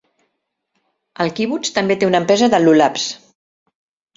El kibbutz també té una empresa de lulavs.